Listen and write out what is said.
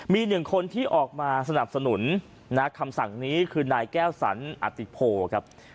มีหนึ่งคนที่ออกมาสนับสนุนคำสั่งนี้คือนายแก้วสันอติโพครับ